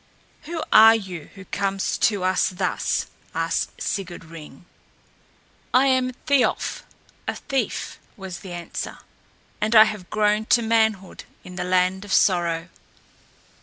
"Who are you who comes to us thus?" asked Sigurd Ring. "I am Thiolf, a thief," was the answer, "and I have grown to manhood in the Land of Sorrow."